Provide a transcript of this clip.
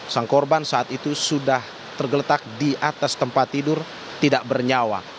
sang korban saat itu sudah tergeletak di atas tempat tidur tidak bernyawa